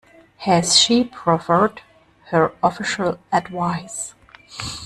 Has she proffered her official advice?